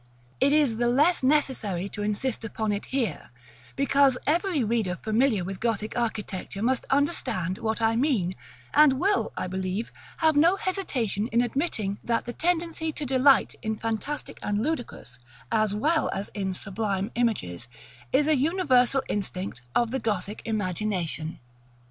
It is the less necessary to insist upon it here, because every reader familiar with Gothic architecture must understand what I mean, and will, I believe, have no hesitation in admitting that the tendency to delight in fantastic and ludicrous, as well as in sublime, images, is a universal instinct of the Gothic imagination.